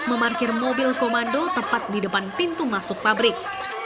memarkir mobil komando tepat di depan pintu masuk pabrik